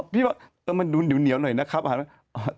พี่บอกมันดูเหนียวหน่อยนะครับอาหารปลาน่ะ